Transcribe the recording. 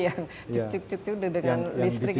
yang cuk cuk cuk cuk dengan listrik itu